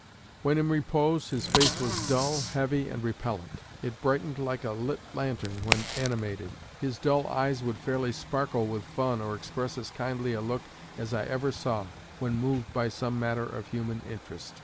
When in repose, his face was dull, heavy, and repellent. It brightened like a lit lantern when animated. His dull eyes would fairly sparkle with fun, or express as kindly a look as I ever saw, when moved by some matter of human interest."